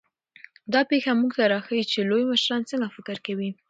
دا پېښه موږ ته راښيي چې لوی مشران څنګه فکر کوي.